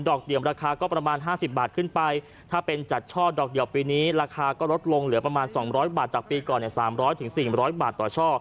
ดอกเดี่ยวราคาก็ประมาณห้าสิบบาทขึ้นไปถ้าเป็นจัดช่อดอกเดี่ยวปีนี้ราคาก็ลดลงเหลือประมาณสองร้อยบาทจากปีก่อนเนี่ยสามร้อยถึงสี่ร้อยบาทต่อช่อ